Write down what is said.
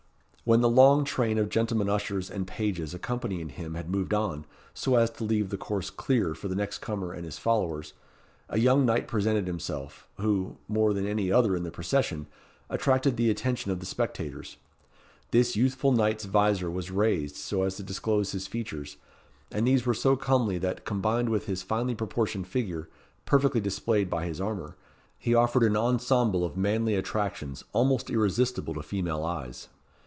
When the long train of gentlemen ushers and pages accompanying him had moved on, so as to leave the course clear for the next comer and his followers, a young knight presented himself, who, more than any other in the procession, attracted the attention of the spectators. This youthful knight's visor was raised so as to disclose his features, and these were so comely, that, combined with his finely proportioned figure, perfectly displayed by his armour, he offered an ensemble of manly attractions almost irresistible to female eyes.